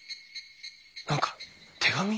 何か手紙。